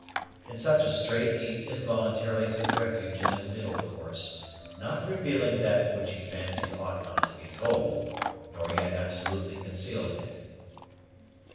In such a strait he involuntarily took refuge in a middle course, not revealing that which he fancied ought not to be told, nor yet absolutely concealing it.